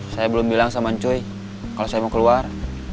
saya belum bilang sama ncoy kalau saya mau keluar